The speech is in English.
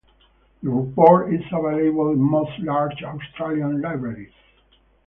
The report is available in most large Australian libraries.